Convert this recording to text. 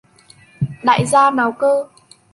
Đại gia nào cơ